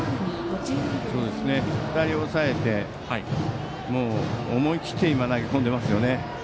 ２人抑えて思い切って投げ込んでいますよね。